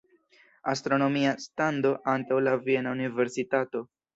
Astronomia stando antaŭ la viena universitato.